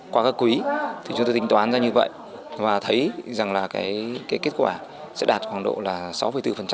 qua các quý chúng tôi tính toán ra như vậy và thấy kết quả sẽ đạt khoảng độ sáu bốn